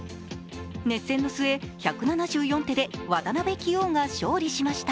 熱戦の末、１７４手で渡辺棋王が勝利しました。